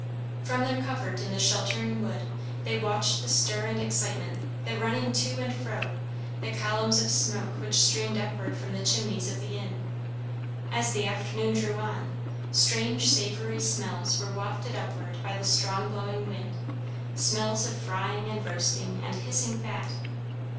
From their covert in the sheltering wood they watched the stir and excitement, the running to and fro, the columns of smoke which streamed upward from the chimneys of the inn. As the afternoon drew on, strange savory smells were wafted upward by the strong blowing wind, smells of frying and roasting, and hissing fat.